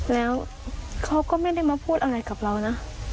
แล้วเขาก็ไม่ได้มาพูดอะไรกับเรานะ